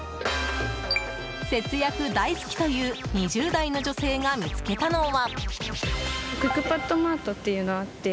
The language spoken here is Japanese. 節約大好きという２０代の女性が見つけたのは。